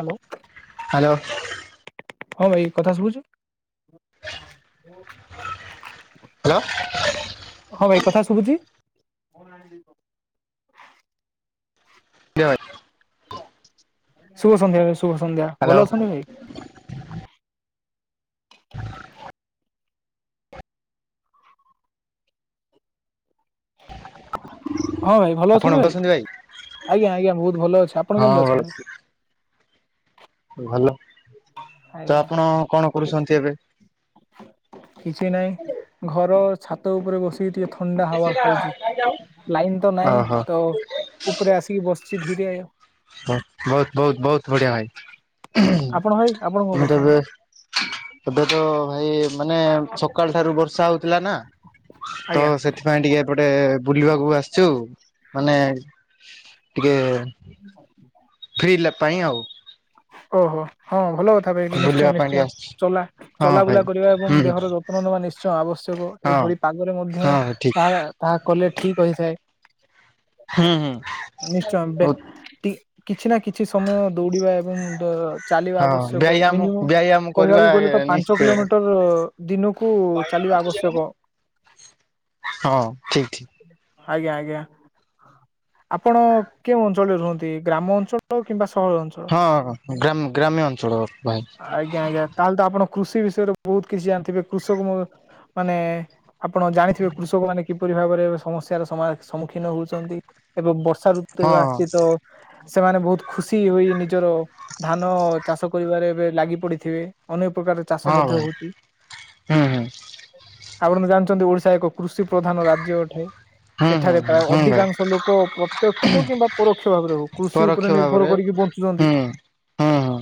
Hello. Hello. ହଁ ଭାଇ କଥା ଶୁଭୁଛୁ? ହ୍ୟାଲୋ। ହଁ ଭାଇ କଥା ଶୁଭୁଛି? [inaudible] ଧନ୍ୟବାଦ। ଶୁଭ ସନ୍ଧ୍ୟା ଭାଇ ଶୁଭ ସନ୍ଧ୍ୟା ହ୍ୟାଲୋ ଭଲ ଅଛନ୍ତି ଭାଇ? ହଁ ଭାଇ ଭଲ ଅଛନ୍ତି ଭାଇ? ଆଜ୍ଞା ଆଜ୍ଞା ବହୁତ ଭଲ ଅଛି। ଆପଣ ହଁ କେମତି ଭଲ ଅଛନ୍ତି? ଅଛି ଭଲ ଆଛା ଆଜ୍ଞା ଆପଣ କଣ କରୁଛନ୍ତି ଏବେ? କିଛି ନାହିଁ ଘର ଛାତ ଉପରେ ବସି ଟିକେ ଟିକେ ଥଣ୍ଡା ହାୱା ଖାଉଛି ଲାଇନ ତ ନାଇଁ ଓହୋ ତ ଉପରେ ଆସିକି ବସି ଛି ଧୀରେ ଆୟ ବ ବହୁତ ବହୁତ ବହୁତ ବଢିଆ ଆପଣ ଭାଇ ଭାଇ ଆପଣ କଣ ଆମେ କରୁଛନ୍ତି ଥରେ ଏବେ ତ ଭାଇ ମାନେ ସକାଳ ଠାରୁ ବର୍ଷା ହଉଥିଲା ନା ତ ଆଜ୍ଞା ସେଥି ପାଇଁ ଟିକେ ଏପଟେ ବୁଲିବାକୁ ଆସିଛୁ ମାନେ ଟିକେ ହଁ [inaudible] ଫ୍ରି ଲେପ୍ ପାଇଁ ଆଉ ଓହୋ ହଁ ଭଲ କଥା ନିଶ୍ଚୟ ବୁଲିବା ପାଇଁ ନିଶ୍ଚୟ ଟିକେ ଆସିଛି ଚଲା। ହଁ ଭାଇ ଚଲାବୁଲା କରିବା ଏବଂ ହୁଁ ଦେହର ଯତ୍ନ ନବା ନିଶ୍ଚୟ ଆବଶ୍ୟକ ହଁ ଏଭଳି ପାଗରେ ମଧ୍ୟ ହଁ ଠିକ ତାହା ତାହା କଲେ ଠିକ ହୋଇଥାଏ ହୁଁ ନିଶ୍ଚୟ ବେ ହୁଁ ଟି କିଛି ନା କିଛି ସମୟ ଦୌଡିବା ଏବଂ ଦ ଚାଲିବା ହଁ ଆବଶ୍ୟକ ବ୍ୟାୟାମ ମିନିମମ୍ ବ୍ୟାୟାମ କରିବା କହିବାକୁ ଗଲେ ତ ପାଞ୍ଚ ନିଶ୍ଚୟ କିଲୋମିଟର ଦିନକୁ କୁ ହଁ ଚାଲିବା ଆବଶ୍ୟକ। ହଁ ଠିକ୍ ଠିକ୍। ଆଜ୍ଞା ଆଜ୍ଞା। ଆପଣ କେଉଁ ଅଞ୍ଚଳରେ ରୁହନ୍ତି ଗ୍ରାମ ଅଞ୍ଚଳ କିମ୍ବା ସହର ଅଞ୍ଚଳ? ହଁ ଗ୍ରାମ୍ ଗ୍ରାମ୍ୟ ଅଞ୍ଚଳ ଭାଇ। ଆଜ୍ଞା ଆଜ୍ଞା ତାହେଲେ ତ ଆପଣ କୃଷି ବିଷୟରେ ବହୁତ କିଛି ଜାଣିଥିବେ କୃଷକ ମୁଁ ମାନେ ଆପଣ ଜାଣିଥିବେ କୃଷକ ମାନେ କିପରି ଭାବରେ ସମସ୍ୟାର ସମା ସମ୍ମୁଖୀନ ହଉଛନ୍ତି ଏବଂ ବ ର୍ଷା ଋତୁ ହଁ ଏବେ ଆସିଛି ତ ସେମାନେ ବହୁତ ଖୁସି ହୋଇ ନିଜର ଧାନ ଚାଷ କରିବାରେ ଏବେ ଲାଗି ପଡ଼ିଥିବେ ଅନେକ ପ୍ରକାର ଚାଷ ହଁ ମଧ୍ୟ ଭାଇ ହଉଛି। ହୁଁ ହୁଁ ଆପଣ ତ ଜାଣିଛନ୍ତି ଓଡିଶା ଏକ କୃଷି ପ୍ରଧାନ ରାଜ୍ୟ ଅଟେ। ହଁ ଏଠାରେ ପ୍ରାୟ ଅଧିକାଂଶ ଲୋକ ପ୍ରତ୍ୟକ୍ଷ କିମ୍ବା ପରୋକ୍ଷ ଭାବରେ ହଉ କୃଷି ପରୋକ୍ଷ ଉପରେ ଭାବରେ ନିର୍ଭର କରିକି ହୁଁ ବଞ୍ଚୁଛନ୍ତି। ହୁଁ ହୁଁ।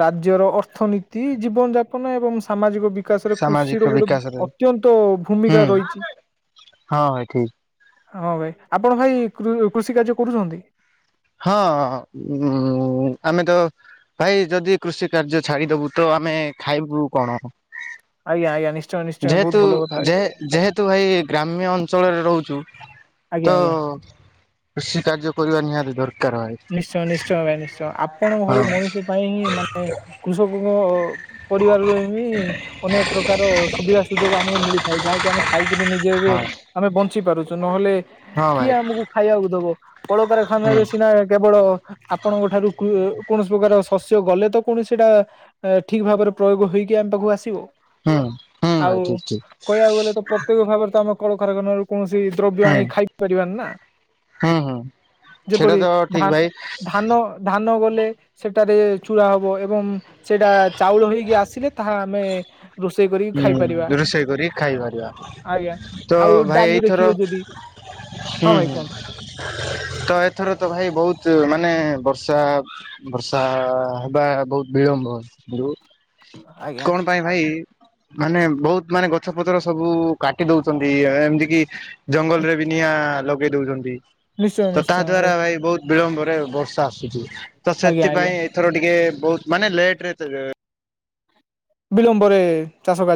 ରାଜ୍ୟର ଅର୍ଥନୀତି, ଜୀବନ ଯାପନ ଏବଂ ସାମାଜିକ ବି ବିକାଶରେ ସାମାଜିକ କୃଷିର ଗୋଟେ ବିକାଶରେ ଅତ୍ୟନ୍ତ ହୁଁ ଭୂମିକା ରହିଛି। ହଁ ଭାଇ ଠିକ ହଁ ଭାଇ, ଆପଣ ଭାଇ କୃ-କୃଷି କାର୍ଯ୍ୟ କରୁଛନ୍ତି? ହଁ ହଁ, ଉମ୍ ଆମେ ତ ଭାଇ ଯଦି କୃଷି କାର୍ଯ୍ୟ ଛାଡିଦବୁ, ତ ଆମେ ଖାଇବୁ କଣ? ଆଜ୍ଞା ଆଜ୍ଞା ନିଶ୍ଚୟ ନିଶ୍ଚୟ ବହୁତ ଯେହେତୁ ଭଲ କଥା ଭାଇ ଯେ-ଯେହେତୁ ଭାଇ ଗ୍ରାମ୍ୟ ଅଞ୍ଚଳରେ ରହୁଛୁ ଆଜ୍ଞା ତ, ଆଜ୍ଞା କୃଷି କାର୍ଯ୍ୟ କରିବା ନିହାତି ଦରକାର ଭାଇ। ନିଶ୍ଚୟ ନିଶ୍ଚୟ ଭାଇ, ନିଶ୍ଚୟ। ଆପଣଙ୍କ ହଁ ଭଳି ମଣିଷ ପାଇଁ ହିଁ ମାନେ କୃଷକଙ୍କ ପରିବାରରୁ ବି ଅନେକ ପ୍ରକାର ସୁବିଧା ସୁଯୋଗ ଆମକୁ ମିଳିଥାଏ, ଯାହାକି ଆମେ ଖାଇକିରି ନିଜେ ଏବେ ହଁ ଆମେ ବଞ୍ଚିପାରୁଛୁ, ନହେଲେ ହଁ କିଏ ଭାଇ ଆମକୁ ଖାଇବାକୁ ଦବ? ହୁଁ। କଳକାରଖାନାରେ ସିନା କେବଳ ଆପଣଙ୍କଠାରୁ କୃ କୌଣସି ପ୍ରକାର ଶସ୍ୟ ଗଲେ ତ ପୁଣି ସେଇଟା ଏଁ ଠିକ ଭାବରେ ପ୍ରୟୋଗ ହେଇକି ଆମ ପାଖକୁ ଆସିବ। ହୁଁ ହୁଁ ଆଉ ଭାଇ ଠିକ ଠିକ କହିଆକୁ ଗଲେ ତ ପ୍ରତ୍ୟେକ ଖାଇବାରେ ତ ଆମେ କଳକାରଖାନାରୁ କୌଣସି ଦ୍ରବ୍ୟ ଆଣି ଖାଇପାରିବାନି ନା। ହୁଁ ହୁଁ ହୁଁ ସେଇଟା ଯେପରି ତ ଠିକ ଧାନ୍ ଭାଇ ଧାନ ନ ଧାନ ଗଲେ ସେଟାରେ ଚୁରା ହବ ଏବଂ ସେଇଟା ଚାଉଳ ହେଇକି ଆସିଲେ ତାହା ଆମେ ରୋଷେଇ କରିକି ହୁଁ ଖାଇପାରିବା। ରୋଷେଇ କରି ଖାଇପାରିବା ଆଜ୍ଞା, ତ ଆଉ ଭାଇ ଡାଲି ଏଇଥର ଦେଖିବେ ଯଦି ହଁ ହୁଁ ଭାଇ ହୁଁ କୁହନ୍ତୁ। ତ ଏଥର ତ ଭାଇ ବହୁତ ମାନେ ବର୍ଷା ବର୍ଷା ଆ ହେବା ବହୁତ ବିଳମ୍ବ। ଯୋଉ ଆଜ୍ଞା କଣ ପାଇଁ ଭାଇ, ମାନେ ବହୁତ ମାନେ ଗଛ ପତର ସବୁ କାଟି ଦଉଛନ୍ତି, ଆ ଏମତି କି ଜଙ୍ଗଲରେ ବି ନିଆଁ ଲଗେଇ ଦଉଛନ୍ତି। ନିଶ୍ଚୟ ତ ତା ନିଶ୍ଚୟ ଦ୍ଵାରା ଭାଇ ବହୁତ ବିଳମ୍ବରେ ବର୍ଷା ଆସୁଛି, ତ ଆଜ୍ଞା ଆଜ୍ଞା ସେଥିପାଇଁ ଏଥର ଟିକେ ବହୁତ ମାନେ ଲେଟରେ ଏଥର ବିଳମ୍ବରେ ଚାଷ କାର୍ଯ୍ୟ